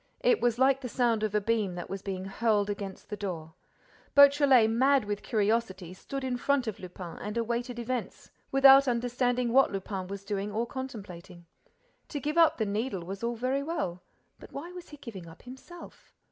It was like the sound of a beam that was being hurled against the door. Beautrelet, mad with curiosity, stood in front of Lupin and awaited events, without understanding what Lupin was doing or contemplating. To give up the Needle was all very well; but why was he giving up himself?